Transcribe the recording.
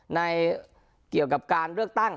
เกี่ยวกับการเลือกตั้ง